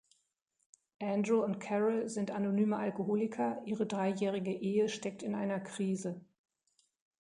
Andrew und Carol sind Anonyme Alkoholiker, ihre dreijährige Ehe steckt in einer Krise.